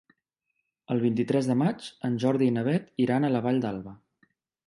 El vint-i-tres de maig en Jordi i na Beth iran a la Vall d'Alba.